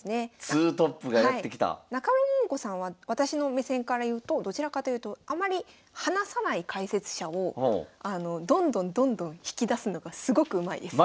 ツートップがやって来た。中村桃子さんは私の目線からいうとどちらかというとあまり話さない解説者をどんどんどんどん引き出すのがすごくうまいです。